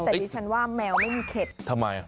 แต่ดิฉันว่าแมวไม่มีเข็ดทำไมอ่ะ